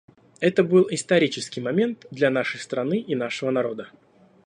Это был исторический момент для нашей страны и нашего народа.